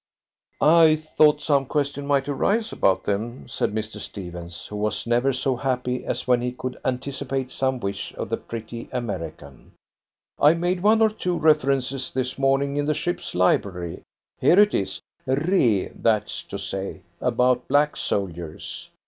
"I thought some question might arise about them," said Mr. Stephens, who was never so happy as when he could anticipate some wish of the pretty American. "I made one or two references this morning in the ship's library. Here it is re that's to say, about black soldiers.